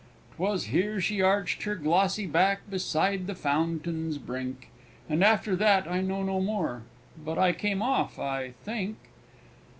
'Twas here she arched her glossy back, beside the fountain's brink, And after that I know no more but I came off, I think.